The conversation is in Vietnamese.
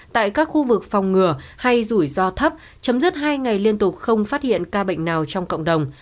tại các khu vực phòng ngừa hay rủi ro thấp chấm dứt hai ngày liên tục không phát hiện ca bệnh nào trong cộng đồng